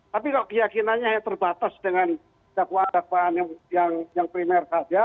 tapi kalau keyakinannya hanya terbatas dengan dakwaan dakwaan yang primer saja